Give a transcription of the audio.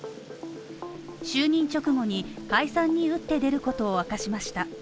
就任直後に解散に打って出ることを明かしました。